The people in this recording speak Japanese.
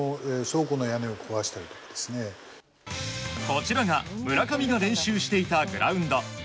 こちらが村上が練習していたグラウンド。